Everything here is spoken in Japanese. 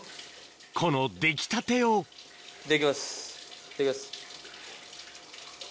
この出来たてをいただきますいただきます。